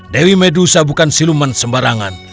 dewi medhusa bukan siluman sembarangan